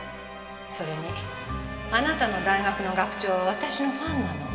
それにあなたの大学の学長は私のファンなの。